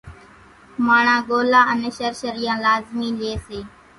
ماڻۿان ڳولا انين شرشريان لازمي لئي سي۔